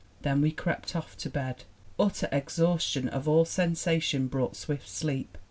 Then we crept off to bed. Utter exhaustion of all sensation brought swift sleep.